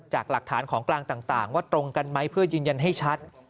จากหลักฐานของกลางต่างว่าตรงกันไหมเพื่อยืนยันให้ชัด